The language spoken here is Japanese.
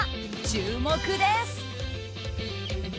注目です！